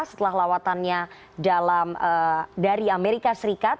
setelah lawatannya dari amerika serikat